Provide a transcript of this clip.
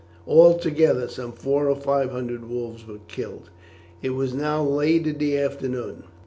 Altogether some four or five hundred wolves were killed. It was now late in the afternoon.